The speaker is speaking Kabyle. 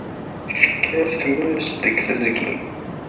Tekker tmes deg teẓgi.